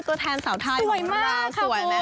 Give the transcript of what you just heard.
ตัวแทนสาวทายของเราสวยมากครับคุณ